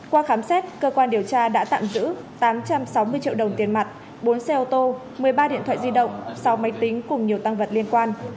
qua khám xét cơ quan điều tra đã tạm giữ tám trăm sáu mươi triệu đồng tiền mặt bốn xe ô tô một mươi ba điện thoại di động sáu máy tính cùng nhiều tăng vật liên quan